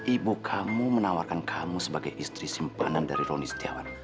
ibu kamu menawarkan kamu sebagai istri simpanan dari roni setiawan